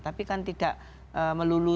tapi kan tidak melulu